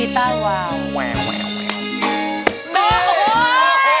นะครับ